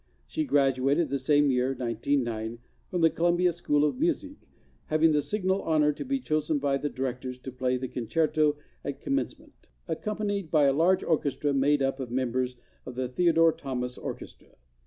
She graduated the same year, 1909, from The Columbia School of Music, having the signal honor to be chosen by the directors to play the concerto at Commence¬ ment, accompanied by a large orchestra made up of mem¬ bers of the Theodore Thomas orchestra.